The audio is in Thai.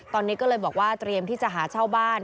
ตอนนี้ก็เลยบอกว่าเตรียมที่จะหาเช่าบ้าน